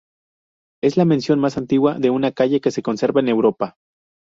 Es la mención más antigua de una calle que se conserva en Europa.